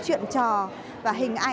chuyện trò và hình ảnh của họ